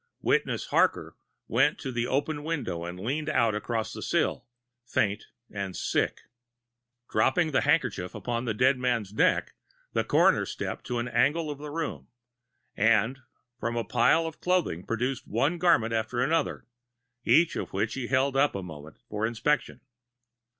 Witness Harker went to the open window and leaned out across the sill, faint and sick. Dropping the handkerchief upon the dead man's neck, the coroner stepped to an angle of the room, and from a pile of clothing produced one garment after another, each of which he held up a moment for inspection.